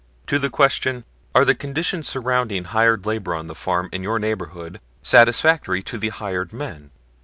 To the question, "Are the conditions surrounding hired labor on the farm in your neighborhood satisfactory to the hired men?"